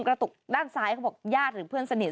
กระตุกด้านซ้ายเขาบอกญาติหรือเพื่อนสนิท